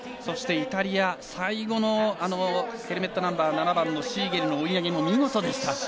そして、イタリア最後のヘルメットナンバー７番のシーゲルの追い上げも見事でした。